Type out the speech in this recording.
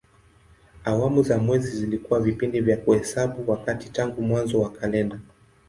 Awamu za mwezi zilikuwa vipindi vya kuhesabu wakati tangu mwanzo wa kalenda.